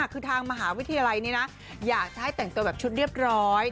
คือทางมหาวิทยาลัยนี้นะอยากจะให้แต่งตัวแบบชุดเรียบร้อย